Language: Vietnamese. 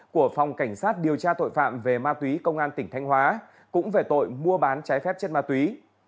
của phòng cảnh sát điều tra tội phạm về ma túy công an tỉnh thanh hóa cũng về tội mua bán trái phép chất ma túy